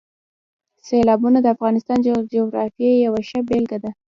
سیلابونه د افغانستان د جغرافیې یوه ښه بېلګه ده.